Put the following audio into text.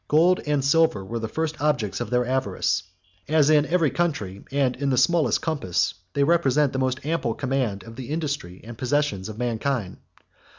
27 Gold and silver were the first objects of their avarice; as in every country, and in the smallest compass, they represent the most ample command of the industry and possessions of mankind.